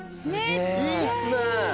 いいっすね。